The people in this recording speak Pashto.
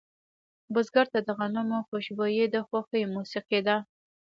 بزګر ته د غنمو خوشبويي د خوښې موسیقي ده